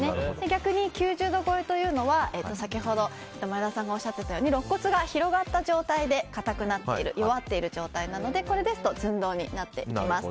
逆に９０度超えというのは先ほど前田さんがおっしゃっていたようにろっ骨が広がった状態で硬くなっている状態なのでこれですと寸胴になっていきます。